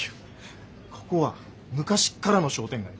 ここは昔っからの商店街。